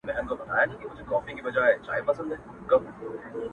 زه بې له تا گراني ژوند څه كومه!!